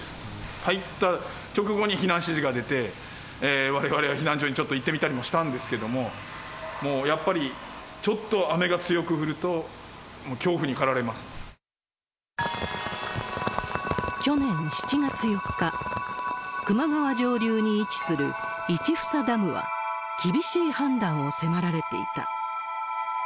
入った直後に避難指示が出て、われわれは避難所にちょっと行ってみたりもしたんですけれども、もうやっぱり、ちょっと雨が強く降ると、去年７月４日、球磨川上流に位置する市房ダムは厳しい判断を迫られていた。